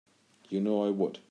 You know I would.